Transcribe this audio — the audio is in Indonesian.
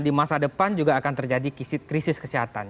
di masa depan juga akan terjadi krisis kesehatan